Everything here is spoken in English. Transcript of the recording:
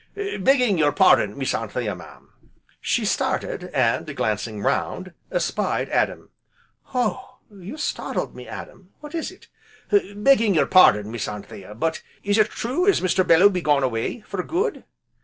"Begging your pardon, Miss Anthea mam !" She started, and glancing round, espied Adam. "Oh! you startled me, Adam, what is it?" "Begging your pardon, Miss Anthea, but is it true as Mr. Belloo be gone away for good?"